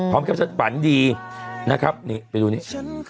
พร้อมครับฉันปั่นดีนะครับนี่ไปดูนี่